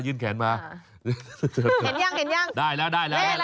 มืดชนะไม่สักดี